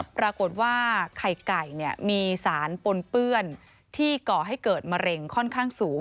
ปรากฏว่าไข่ไก่มีสารปนเปื้อนที่ก่อให้เกิดมะเร็งค่อนข้างสูง